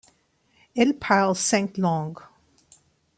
Elle parle cinq langues.